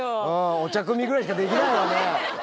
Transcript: お茶くみぐらいしかできないよね。